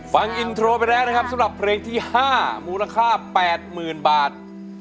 ฟังอินโทรไปแล้วนะครับสำหรับเพลงที่๕มูลค่า๘๐๐๐บาท